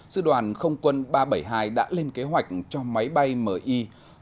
sự đoàn không quân ba trăm bảy mươi hai đã lên kế hoạch cho máy bay mi